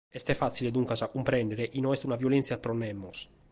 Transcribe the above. Est fàtzile duncas a cumprèndere chi no est una violèntzia pro nemos.